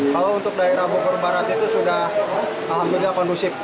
kalau untuk daerah bogor barat itu sudah alhamdulillah kondusif